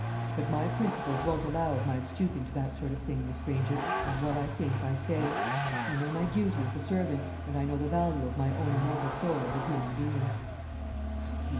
But my principles won't allow of my stooping to that sort of thing, Miss Granger, and what I think I say. I know my duty as a servant, and I know the value of my own immortal soul as a human being."